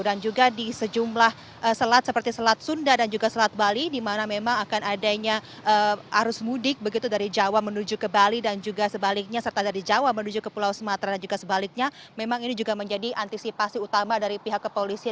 dan juga di sejumlah selat seperti selat sunda dan juga selat bali di mana memang akan adanya arus mudik begitu dari jawa menuju ke bali dan juga sebaliknya serta dari jawa menuju ke pulau sumatera dan juga sebaliknya memang ini juga menjadi antisipasi utama dari pihak kepolisian